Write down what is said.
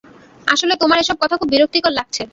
আসলে, তোমার এসব কথা খুব বিরক্তিকর লাগছে।